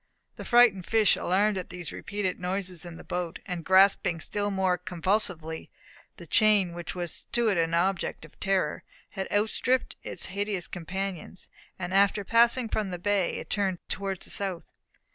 The frightened fish, alarmed at these repeated noises in the boat, and grasping still more convulsively the chain which was to it an object of terror, had outstripped its hideous companions, and after passing from the bay had turned towards the south.